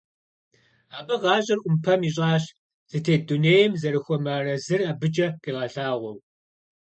Абы гъащӀэр Ӏумпэм ищӀащ, зытет дунейм зэрыхуэмыарэзыр абыкӀэ къигъэлъагъуэу.